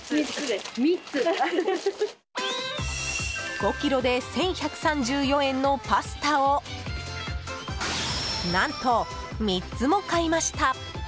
５ｋｇで１１３４円のパスタを何と３つも買いました。